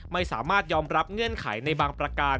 ไม่สามารถยอมรับเงื่อนไขในบางประการ